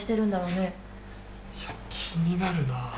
いや気になるなぁ。